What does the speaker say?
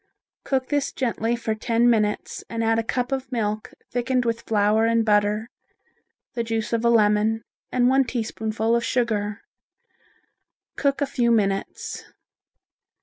Cook this gently for ten minutes and add a cup of milk thickened with flour and butter, the juice of a lemon and one teaspoonful of sugar. Cook a few minutes.